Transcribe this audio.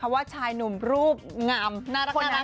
ว่าชายหนุ่มรูปงามน่ารัก